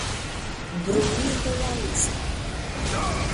Bruligu la liston.